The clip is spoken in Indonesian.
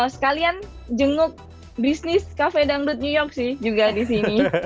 sekalian jenguk bisnis cafe dangdut new york sih juga di sini